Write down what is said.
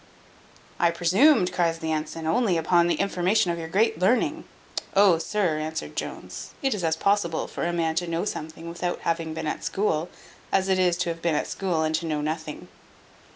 "I presumed," cries the ensign, "only upon the information of your great learning." "Oh! sir," answered Jones, "it is as possible for a man to know something without having been at school, as it is to have been at school and to know nothing."